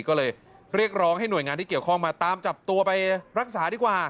ก็เลยเรียกร้องให้หน่วยงานที่เกี่ยวข้องมาตามจับตัวไปรักษาดีกว่า